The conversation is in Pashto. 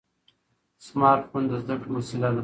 سمارټ فون د زده کړې وسیله ده.